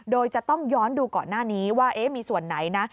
โดยจะต้องย้อนดูก่อนหน้านี้ว่ามีส่วนไหนนะ